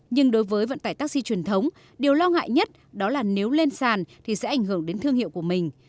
nhưng đối với vận tải taxi truyền thống điều lo ngại nhất đó là nếu lên sàn thì sẽ ảnh hưởng đến thương hiệu của mình